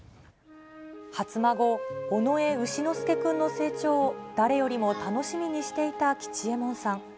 初孫、尾上丑之助くんの成長を、誰よりも楽しみにしていた吉右衛門さん。